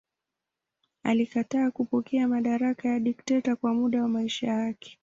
Alikataa kupokea madaraka ya dikteta kwa muda wa maisha yake.